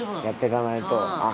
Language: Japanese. やってかないと。